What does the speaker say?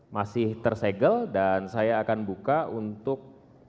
masih tersegel dan saya akan buka untuk